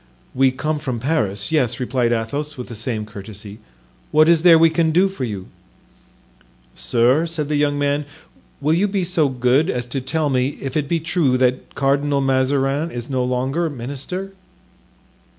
"We come from Paris, yes," replied Athos, with the same courtesy; "what is there we can do for you?" "Sir," said the young man, "will you be so good as to tell me if it be true that Cardinal Mazarin is no longer minister?"